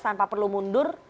tanpa perlu mundur